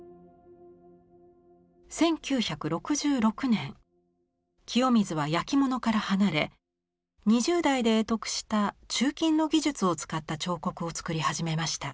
１９６６年清水は焼き物から離れ２０代で会得した鋳金の技術を使った彫刻を作り始めました。